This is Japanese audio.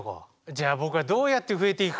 じゃあ僕がどうやって増えていくか。